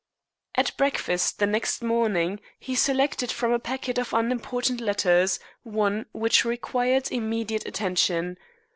At breakfast the next morning he selected from a packet of unimportant letters one which required immediate attention.